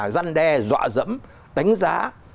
giăn đe dọa dẫm đánh giá